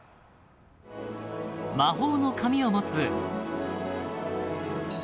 ［魔法の髪を持つ］